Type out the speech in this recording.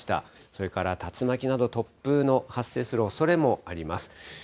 それから竜巻など突風の発生するおそれもあります。